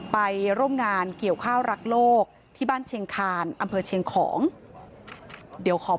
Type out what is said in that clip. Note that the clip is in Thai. พรุ่งนี้วันที่๑แล้วด้วย